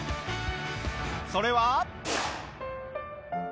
それは。